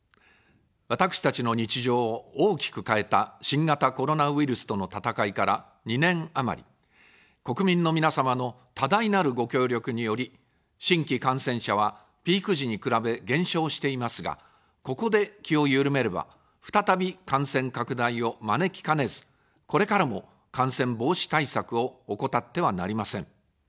私たちの日常を大きく変えた新型コロナウイルスとの闘いから２年余り、国民の皆様の多大なるご協力により、新規感染者はピーク時に比べ減少していますが、ここで気を緩めれば、再び感染拡大を招きかねず、これからも感染防止対策を怠ってはなりません。